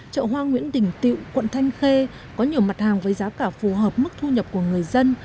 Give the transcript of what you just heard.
chợ hoa nguyễn đình tiệu quận thanh khê có nhiều mặt hàng với giá cả phù hợp mức thu nhập của người dân